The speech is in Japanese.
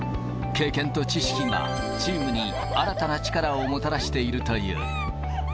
経験と知識がチームに新たな力をもたらしているという。